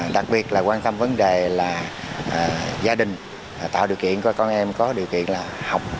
đặc biệt là quan tâm vấn đề là gia đình tạo điều kiện cho con em có điều kiện là học